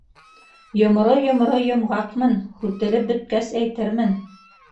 - Йомро-йомро йомғаҡмын, һүтелеп бөткәс, әйтермен...